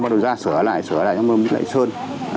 bắt đầu ra sửa lại sửa lại xong rồi lại sơn